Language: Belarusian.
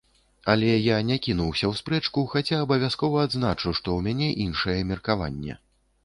Але я не кінуся ў спрэчку, хаця абавязкова адзначу, што ў мяне іншае меркаванне.